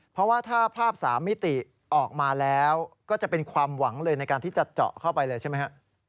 เพราะว่าถ้าภาพ๓มิติออกมาแล้วก็จะเป็นความหวังเลยในการที่จะเจาะเข้าไปเลยใช่ไหมฮะ